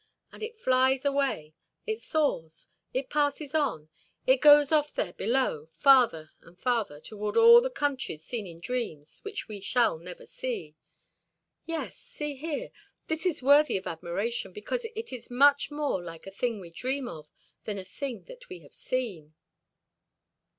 And it flies away, it soars, it passes on, it goes off there below, farther and farther, toward all the countries seen in dreams which we shall never see. Yes, see here, this is worthy of admiration because it is much more like a thing we dream of than a thing that we have seen."